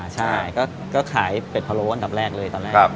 ใช่ก็ขายเป็ดพะโล้อันดับแรกเลยตอนแรก